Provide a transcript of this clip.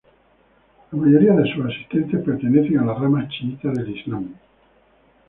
La mayoría de sus asistentes pertenecen a la rama chiita del islam.